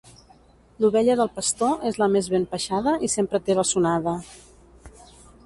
L'ovella del pastor és la més ben peixada i sempre té bessonada.